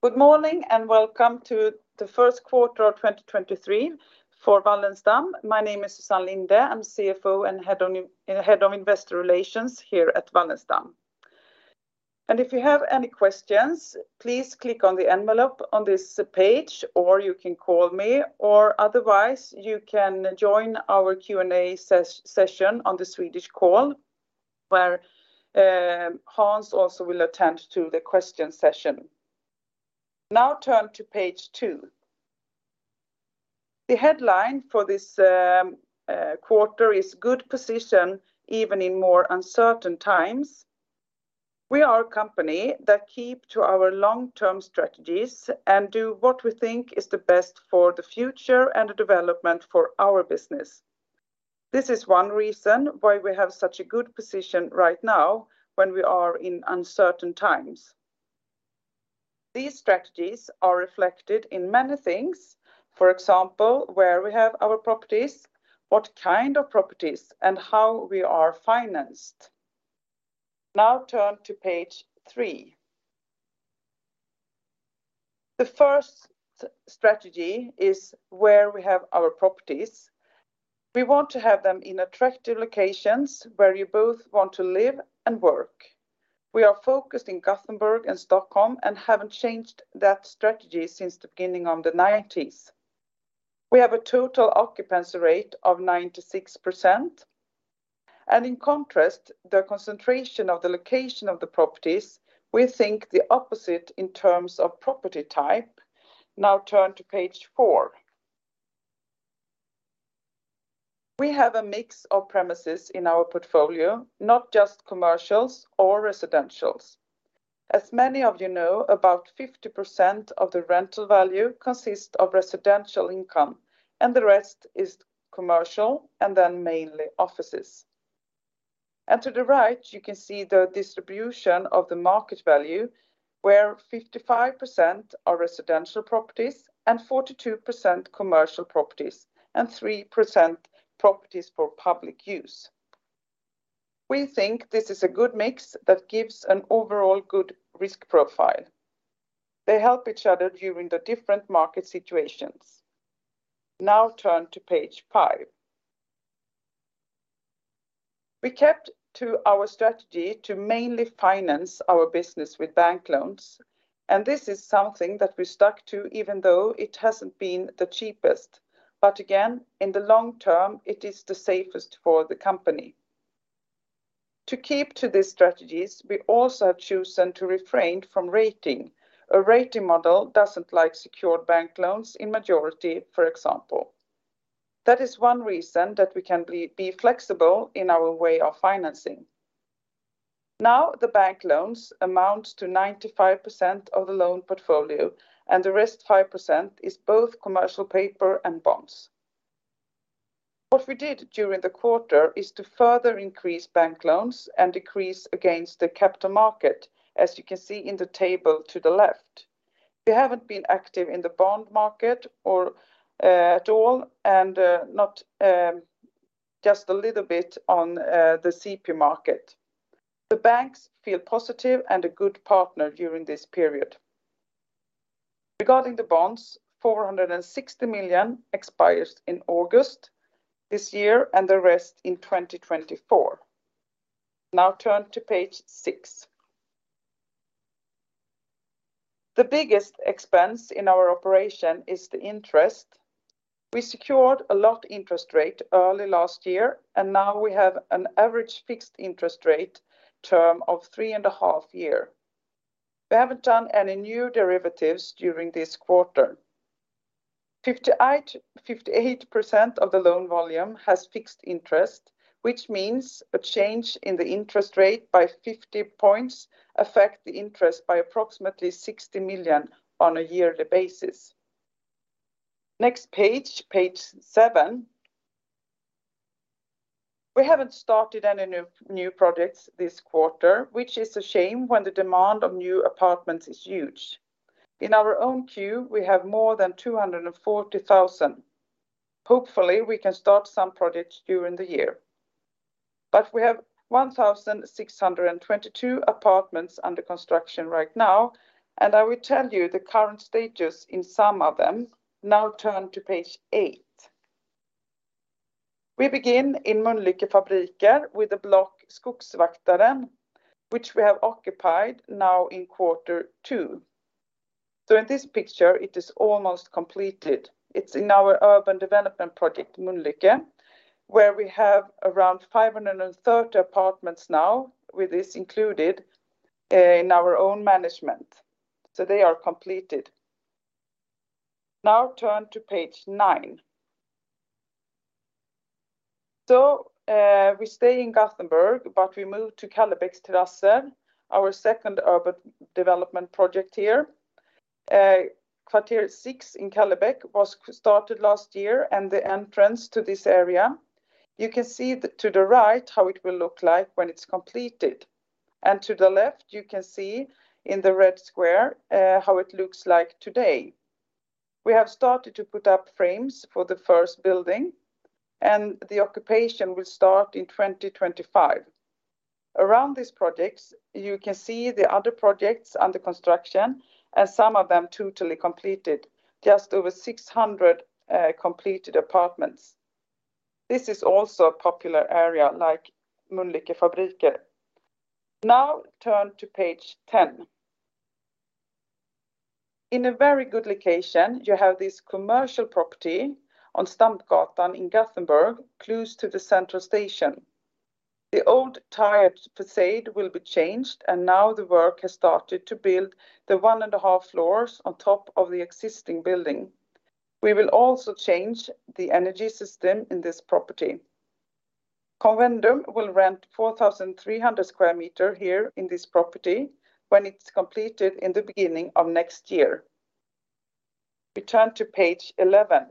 Good morning, and welcome to the First Quarter of 2023 for Wallenstam. My name is Susann Linde. I'm CFO and Head of Investor Relations here at Wallenstam. If you have any questions, please click on the envelope on this page, or you can call me, or otherwise, you can join our Q&A session on the Swedish call, where Hans also will attend to the question session. Now turn to page two. The headline for this quarter is good position even in more uncertain times. We are a company that keep to our long-term strategies and do what we think is the best for the future and the development for our business. This is one reason why we have such a good position right now when we are in uncertain times. These strategies are reflected in many things, for example, where we have our properties, what kind of properties, and how we are financed. Now turn to page three. The first strategy is where we have our properties. We want to have them in attractive locations where you both want to live and work. We are focused in Gothenburg and Stockholm and haven't changed that strategy since the beginning of the 90s. We have a total occupancy rate of 96%. In contrast, the concentration of the location of the properties, we think the opposite in terms of property type. Now turn to page four. We have a mix of premises in our portfolio, not just commercials or residentials. As many of you know, about 50% of the rental value consists of residential income, and the rest is commercial and then mainly offices. To the right, you can see the distribution of the market value, where 55% are residential properties and 42% commercial properties and 3% properties for public use. We think this is a good mix that gives an overall good risk profile. They help each other during the different market situations. Turn to page five. We kept to our strategy to mainly finance our business with bank loans, this is something that we stuck to even though it hasn't been the cheapest. Again, in the long term, it is the safest for the company. To keep to these strategies, we also have chosen to refrain from rating. A rating model doesn't like secured bank loans in majority, for example. That is one reason that we can be flexible in our way of financing. The bank loans amount to 95% of the loan portfolio, and the rest, 5%, is both commercial paper and bonds. What we did during the quarter is to further increase bank loans and decrease against the capital market, as you can see in the table to the left. We haven't been active in the bond market or at all and not just a little bit on the CP market. The banks feel positive and a good partner during this period. Regarding the bonds, 460 million expires in August this year, and the rest in 2024. Turn to page six. The biggest expense in our operation is the interest. We secured a lot interest rate early last year, and now we have an average fixed interest rate term of three and a half year. We haven't done any new derivatives during this quarter. 58% of the loan volume has fixed interest, which means a change in the interest rate by 50 points affect the interest by approximately 60 million on a yearly basis. Next page seven. We haven't started any new projects this quarter, which is a shame when the demand of new apartments is huge. In our own queue, we have more than 240,000. Hopefully, we can start some projects during the year. We have 1,622 apartments under construction right now, and I will tell you the current status in some of them. Now turn to page eight. We begin in Mölndals Fabriker with a block, Skogsvaktaren, which we have occupied now in Q2. In this picture, it is almost completed. It's in our urban development project, Mölndals Fabriker, where we have around 530 apartments now, with this included, in our own management. They are completed. Turn to page nine. We stay in Gothenburg, but we move to Kallebäcks Terrasser, our second urban development project here. Quarter six in Kallebäck was started last year and the entrance to this area. You can see to the right how it will look like when it's completed. To the left, you can see in the red square, how it looks like today. We have started to put up frames for the first building, and the occupation will start in 2025. Around these projects, you can see the other projects under construction, and some of them totally completed, just over 600 completed apartments. This is also a popular area like Mölndals Fabriker. Now turn to page 10. In a very good location, you have this commercial property on Stampgatan in Gothenburg, close to the Central Station. The old tired facade will be changed. Now the work has started to build the 1.5 floors on top of the existing building. We will also change the energy system in this property. Convendum will rent 4,300 square meter here in this property when it's completed in the beginning of next year. We turn to page 11.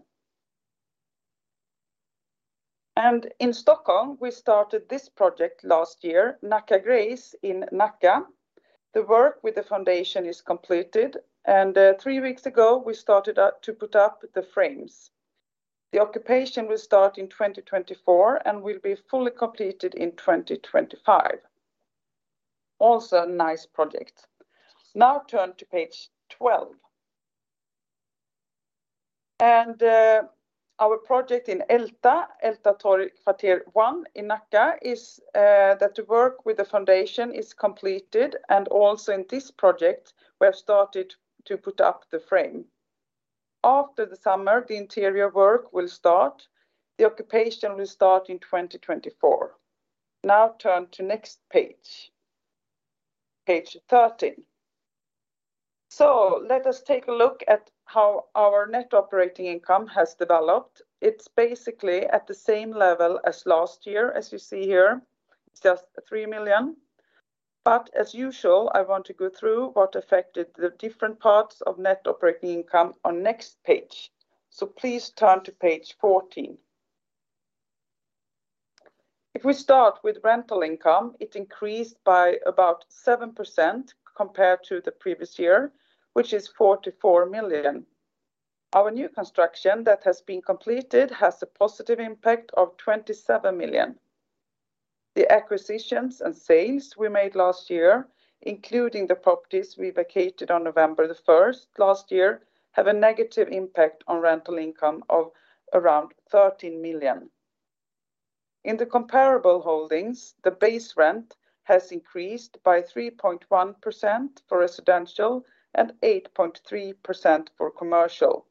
In Stockholm, we started this project last year, Nacka Grace in Nacka. The work with the foundation is completed. There weeks ago, we started to put up the frames. The occupation will start in 2024 and will be fully completed in 2025. Also a nice project. Now turn to page 12. Our project in Älta Torg Kv. 1 in Nacka is that the work with the foundation is completed, and also in this project, we have started to put up the frame. After the summer, the interior work will start. The occupation will start in 2024. Turn to next page. Page 13. Let us take a look at how our net operating income has developed. It's basically at the same level as last year, as you see here. It's just 3 million. As usual, I want to go through what affected the different parts of net operating income on next page. Please turn to page 14. If we start with rental income, it increased by about 7% compared to the previous year, which is 44 million. Our new construction that has been completed has a positive impact of 27 million. The acquisitions and sales we made last year, including the properties we vacated on November 1st last year, have a negative impact on rental income of around 13 million. In the comparable holdings, the base rent has increased by 3.1% for residential and 8.3% for commercial.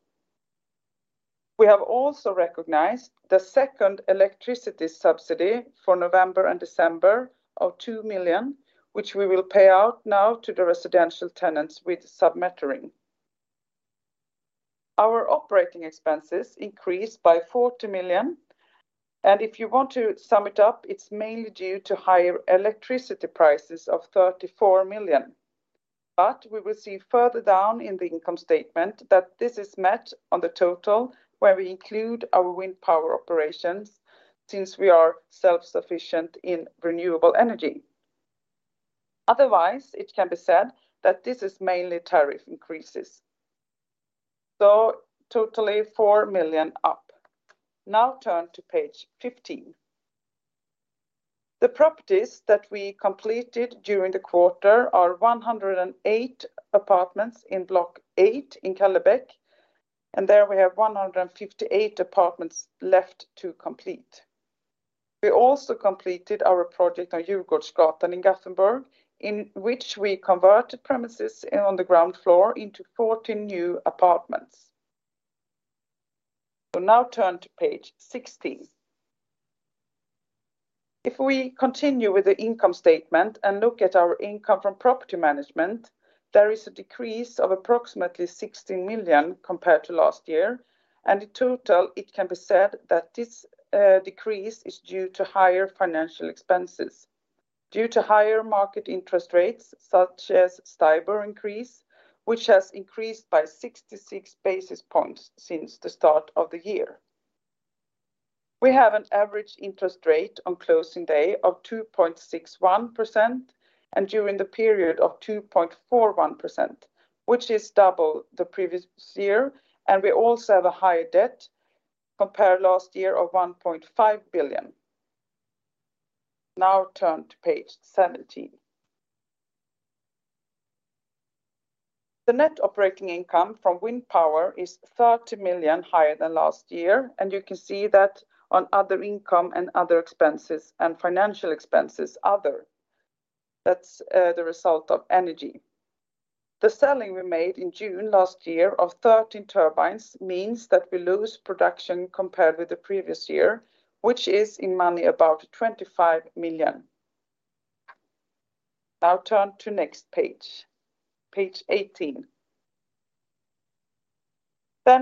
We have also recognized the second electricity subsidy for November and December of 2 million, which we will pay out now to the residential tenants with sub-metering. Our operating expenses increased by 40 million, and if you want to sum it up, it's mainly due to higher electricity prices of 34 million. We will see further down in the income statement that this is met on the total where we include our wind power operations since we are self-sufficient in renewable energy. Otherwise, it can be said that this is mainly tariff increases. Totally 4 million up. Turn to page 15. The properties that we completed during the quarter are 108 apartments in block eight in Kallebäck, and there we have 158 apartments left to complete. We also completed our project on Djurgårdsgatan in Gothenburg, in which we converted premises on the ground floor into 14 new apartments. We turn to page 16. If we continue with the income statement and look at our income from property management, there is a decrease of approximately 16 million compared to last year. In total, it can be said that this decrease is due to higher financial expenses due to higher market interest rates, such as STIBOR increase, which has increased by 66 basis points since the start of the year. We have an average interest rate on closing day of 2.61%, and during the period of 2.41%, which is double the previous year. We also have a higher debt compared to last year of 1.5 billion. Now turn to page 17. The net operating income from wind power is 30 million higher than last year, and you can see that on other income and other expenses and financial expenses, other. That's the result of energy. The selling we made in June last year of 13 turbines means that we lose production compared with the previous year, which is in money about 25 million. Now turn to next page 18.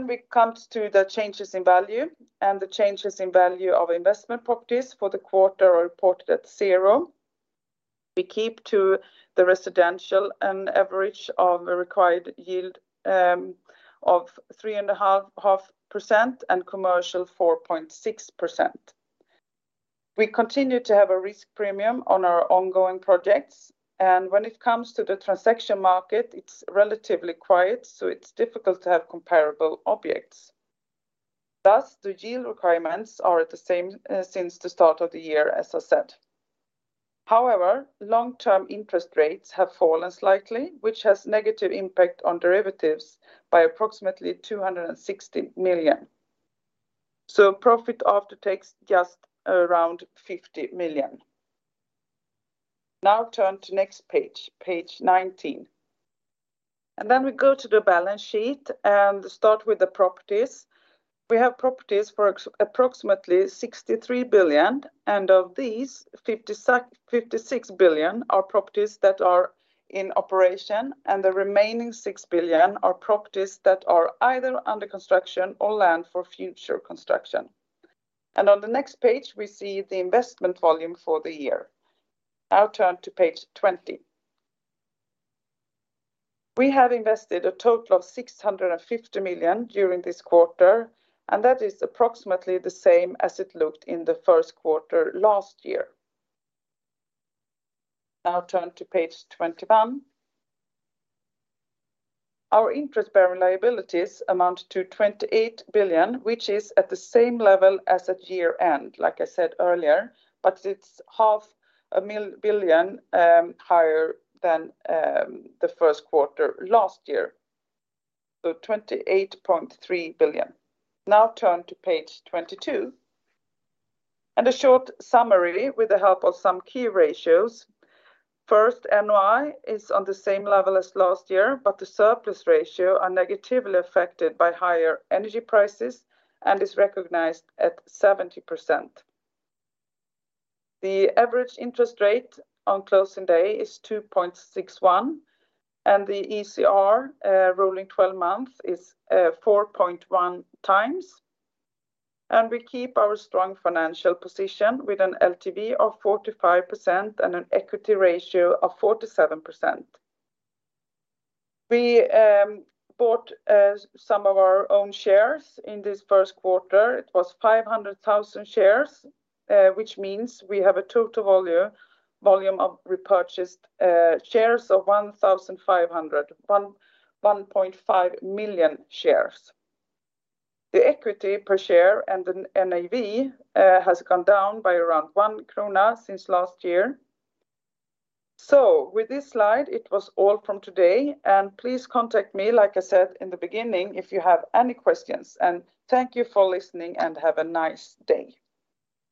We come to the changes in value, and the changes in value of investment properties for the quarter are reported at zero. We keep to the residential an average of a required yield of three and a half percent and commercial 4.6%. We continue to have a risk premium on our ongoing projects. When it comes to the transaction market, it's relatively quiet, so it's difficult to have comparable objects. Thus, the yield requirements are at the same since the start of the year, as I said. However, long-term interest rates have fallen slightly, which has negative impact on derivatives by approximately 260 million. Profit after tax just around 50 million. Turn to next page 19. We go to the balance sheet and start with the properties. We have properties for approximately 63 billion, of these, 56 billion are properties that are in operation, the remaining 6 billion are properties that are either under construction or land for future construction. On the next page, we see the investment volume for the year. Turn to page 20. We have invested a total of 650 million during this quarter, that is approximately the same as it looked in the first quarter last year. Turn to page 21. Our interest-bearing liabilities amount to 28 billion, which is at the same level as at year-end, like I said earlier, it's half a billion higher than the first quarter last year, so 28.3 billion. Turn to page 22. A short summary with the help of some key ratios. NOI is on the same level as last year, but the surplus ratio are negatively affected by higher energy prices and is recognized at 70%. The average interest rate on closing day is 2.61, and the ECR rolling 12 months is 4.1x. We keep our strong financial position with an LTV of 45% and an equity ratio of 47%. We bought some of our own shares in this first quarter. It was 500,000 shares, which means we have a total volume of repurchased shares of 1.5 million shares. The equity per share and the NAV has gone down by around 1 krona since last year. With this slide, it was all from today, and please contact me, like I said in the beginning, if you have any questions. Thank you for listening, and have a nice day.